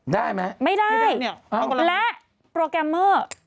ได้ไหมไม่ได้และโปรแกรมเมอร์